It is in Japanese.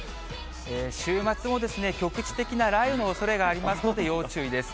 週末も局地的な雷雨のおそれがありますので、要注意です。